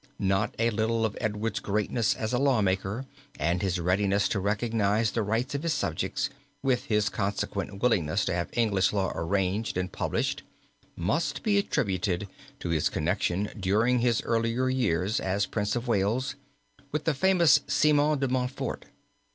Not a little of Edward's greatness as a law maker and his readiness to recognize the rights of his subjects, with his consequent willingness to have English law arranged and published, must be attributed to his connection during his earlier years as Prince of Wales with the famous Simon De Montfort.